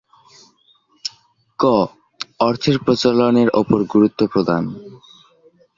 ক. অর্থের প্রচলনের ওপর গুরুত্ব প্রদান